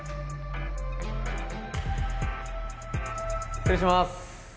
失礼します！